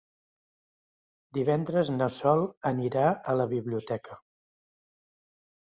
Divendres na Sol anirà a la biblioteca.